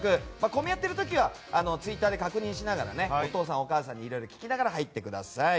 これやってる時はツイッターで確認しながらお父さんやお母さんに色々聞きながら入ってください。